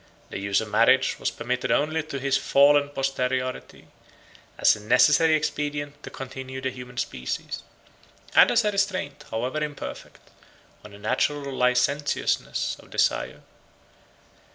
91 The use of marriage was permitted only to his fallen posterity, as a necessary expedient to continue the human species, and as a restraint, however imperfect, on the natural licentiousness of desire.